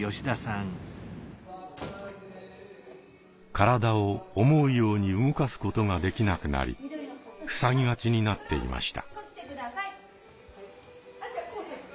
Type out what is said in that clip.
体を思うように動かすことができなくなりふさぎがちになっていました。